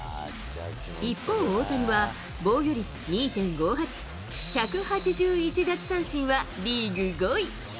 一方、大谷は防御率２．５８、１８１奪三振はリーグ５位。